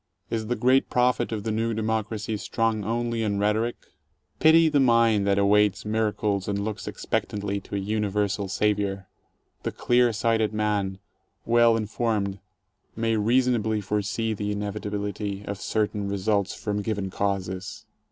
Is the great prophet of the New Democracy strong only in rhetoric? Pity the mind that awaits miracles and looks expectantly to a universal Savior. The clear sighted man, well informed, may rea sonably foresee the inevitability of certain results from given causes.